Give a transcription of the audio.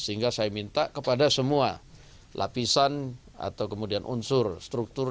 sehingga saya minta kepada semua lapisan atau kemudian unsur struktur